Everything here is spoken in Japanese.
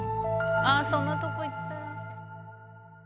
ああそんな所行ったら。